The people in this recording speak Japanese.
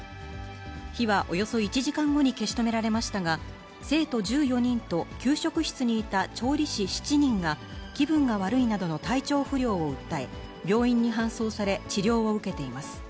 火はおよそ１時間後に消し止められましたが、生徒１４人と、給食室にいた調理師７人が気分が悪いなどの体調不良を訴え、病院に搬送され治療を受けています。